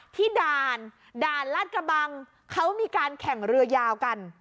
ด่านด่านลาดกระบังเขามีการแข่งเรือยาวกัน